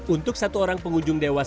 untuk satu orang pengunjung dewasa